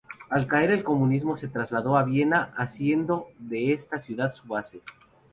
Al caer el comunismo, se trasladó a Viena, haciendo de esta ciudad su base.